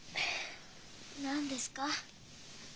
何ですか？